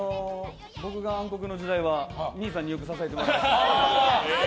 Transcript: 僕が暗黒の時代は兄さんによく支えてもらいました。